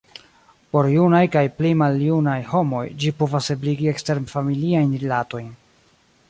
Por junaj kaj pli maljunaj homoj ĝi povas ebligi eksterfamiliajn rilatojn.